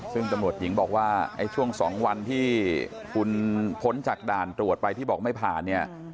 ซึ่งนโมทหญิงบอกว่าช่วง๒วันที่คุณผลจากด่านตรวจไปที่บอกไม่ผ่าน